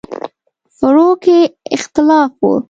فروع کې اختلاف و.